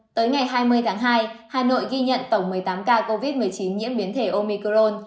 tới ngày hai mươi tháng hai hà nội ghi nhận tổng một mươi tám ca covid một mươi chín nhiễm biến thể omicrone